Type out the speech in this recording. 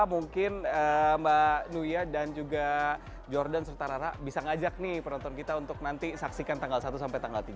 mungkin mbak nuya dan juga jordan serta rara bisa ngajak nih penonton kita untuk nanti saksikan tanggal satu sampai tanggal tiga